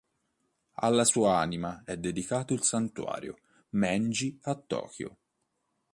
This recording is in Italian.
Alla sua anima è dedicato il Santuario Meiji a Tokyo.